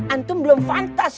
antum belum fantas